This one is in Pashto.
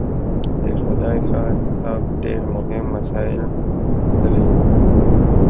د خدای ښار کتاب ډېر مهم مسایل لري.